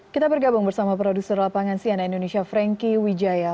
kita bergabung bersama produser lapangan sian indonesia franky wijaya